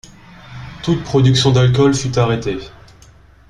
Toute production d’alcool fût arrêtée.